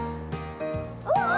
うわ！